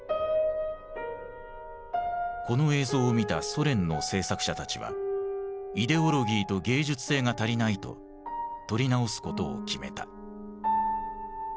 この映像を見たソ連の制作者たちは「イデオロギーと芸術性が足りない」と撮り直すことを決めた。